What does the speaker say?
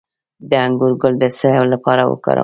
د انګور ګل د څه لپاره وکاروم؟